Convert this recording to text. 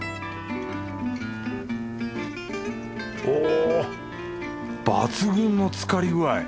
お抜群のつかり具合。